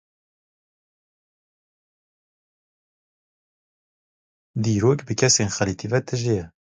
Dîrok bi kesên xelitî ve tije ye.